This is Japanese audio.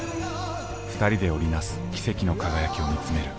ふたりで織りなす奇跡の輝きを見つめる。